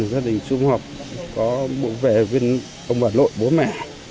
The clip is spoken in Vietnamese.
gia đình xung hợp có bộ vệ viên ông bà lội bố mẹ